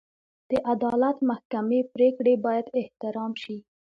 د عدالت محکمې پرېکړې باید احترام شي.